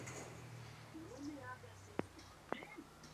Don Fernando, rey de Aragón.